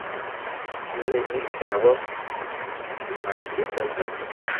A partir de allí el agua permaneció estancada.